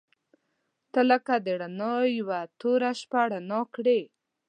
• ته لکه د رڼا یوه توره شپه رڼا کړې.